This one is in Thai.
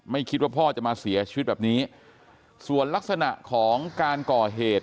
คิดว่าพ่อจะมาเสียชีวิตแบบนี้ส่วนลักษณะของการก่อเหตุ